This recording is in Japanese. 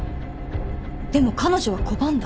でも彼女は拒んだ。